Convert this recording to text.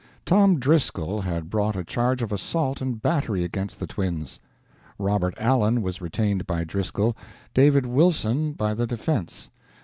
Tom Driscoll had brought a charge of assault and battery against the twins. Robert Allen was retained by Driscoll, David Wilson by the defense.